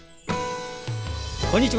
こんにちは。